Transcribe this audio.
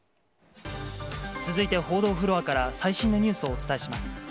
続いて、報道フロアから最新のニュースをお伝えします。